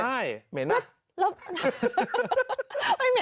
ไม่เหมือนเนี่ย